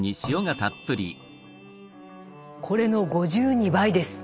これの５２倍です！